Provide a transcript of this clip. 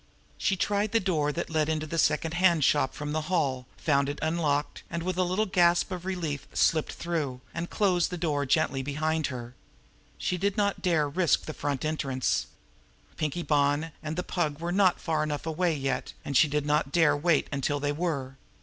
She tried the door that led into the secondhand shop from the hall, found it unlocked, and with a little gasp of relief slipped through, and closed it gently behind her. She did not dare risk the front entrance. Pinkie Bonn and the Pug were not far enough away yet, and she did not dare wait until they were.